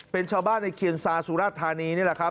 เป็นชาวบ้านในเคียนซาสุราชธานีนี่แหละครับ